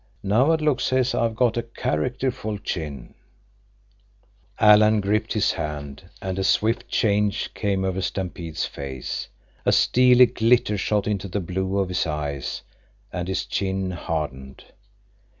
Nawadlook says I've got a character ful chin—" Alan gripped his hand, and a swift change came over Stampede's face. A steely glitter shot into the blue of his eyes, and his chin hardened.